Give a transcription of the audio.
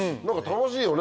楽しいよね